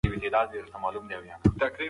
پښتو ژبه ډېر خوږ ادبیات لري.